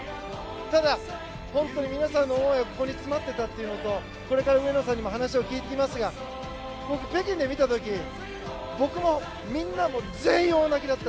ただ、本当に皆さんの思いがここに詰まってたというのとこれから上野さんにも話を聞いてきますが北京で見た時僕もみんなも全員大泣きだった。